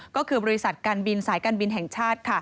ก็คือบริษัทการบินสายการบินแห่งชาติ